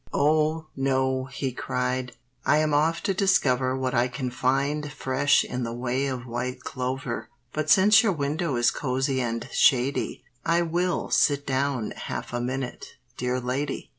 "O, no," he cried. "I am off to discover What I can find fresh in the way of white clover; But since your window is cosy and shady, I will sit down half a minute, dear Lady."